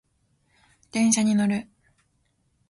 電車に乗る